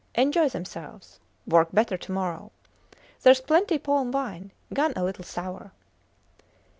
Enjoy themselves. Work better to morrow. Theres plenty palm wine gone a little sour.